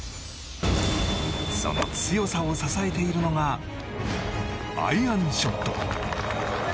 その強さを支えているのがアイアンショット。